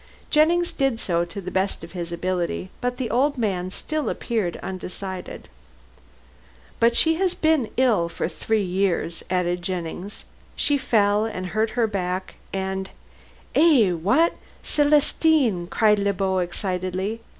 Jennings did so, to the best of his ability, but the old man still appeared undecided. "But she has been ill for three years," added Jennings. "She fell and hurt her back, and " "Eh wha a at Celestine!" cried Le Beau excitedly.